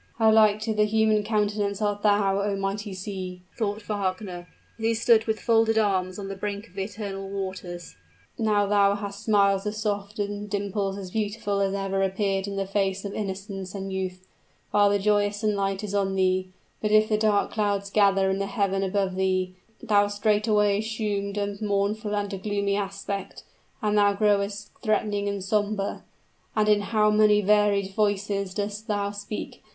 "How like to the human countenance art thou, oh mighty sea!" thought Wagner, as he stood with folded arms on the brink of the eternal waters. "Now thou hast smiles as soft and dimples as beautiful as ever appeared in the face of innocence and youth, while the joyous sunlight is on thee. But if the dark clouds gather in the heaven above thee, thou straightway assumed a mournful and a gloomy aspect, and thou growest threatening and somber. And in how many varied voices dost thou speak.